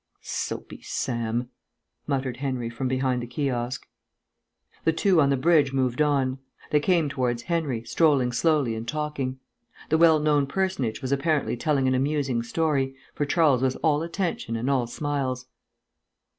"Soapy Sam," muttered Henry from behind the kiosk. The two on the bridge moved on. They came towards Henry, strolling slowly and talking. The well known personage was apparently telling an amusing story, for Charles was all attention and all smiles.